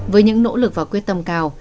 với những nỗ lực và quyết tâm cao